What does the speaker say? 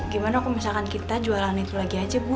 gimana kalau misalkan kita jualan itu lagi aja bu